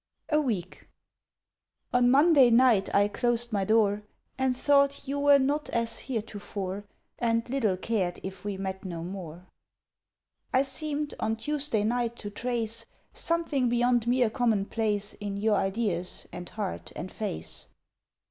A WEEK ON Monday night I closed my door, And thought you were not as heretofore, And little cared if we met no more. I seemed on Tuesday night to trace Something beyond mere commonplace In your ideas, and heart, and face.